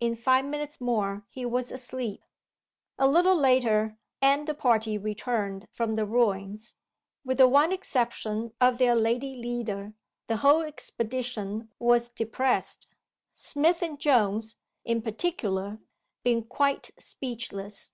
In five minutes more he was asleep. A little later, and the party returned from the ruins. With the one exception of their lady leader, the whole expedition was depressed Smith and Jones, in particular, being quite speechless.